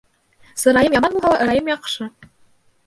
Сырайым яман булһа ла, ырайым яҡшы.